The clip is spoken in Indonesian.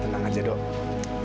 tenang aja dok